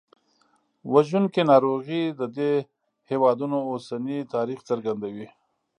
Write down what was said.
وژونکي ناروغۍ د دې هېوادونو اوسني تاریخ څرګندوي.